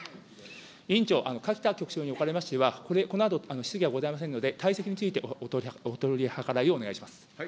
委員長、柿田局長におかれましては、このあと、質疑はございませんので、退席についてお取り計らいをお願いいたします。